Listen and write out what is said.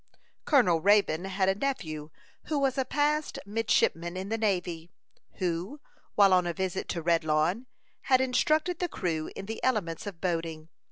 Colonel Raybone had a nephew who was a passed midshipman in the navy, who, while on a visit to Redlawn, had instructed the crew in the elements of boating.